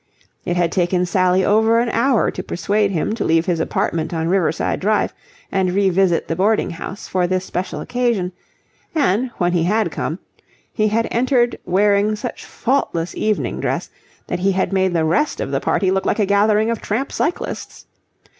It had taken Sally over an hour to persuade him to leave his apartment on Riverside Drive and revisit the boarding house for this special occasion; and, when he had come, he had entered wearing such faultless evening dress that he had made the rest of the party look like a gathering of tramp cyclists.